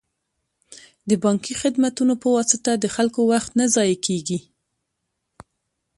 د بانکي خدمتونو په واسطه د خلکو وخت نه ضایع کیږي.